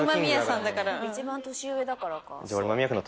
［一番年上だからか。］